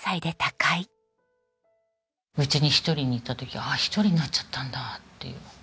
家に１人でいた時「ああ１人になっちゃったんだ」っていう。